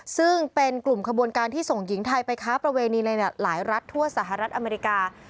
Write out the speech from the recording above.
ซึ่งเป็นกลุ่มขบวนการที่ส่งหญิงไทยไปค้าประเวณีในหลายรัฐทั่วสหรัฐอเมริกา